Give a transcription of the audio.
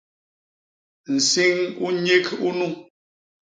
Nsiñ u nyik unu!